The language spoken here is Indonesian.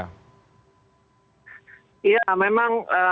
ya memang kami juga sudah sampaikan dalam kesempatan sebelumnya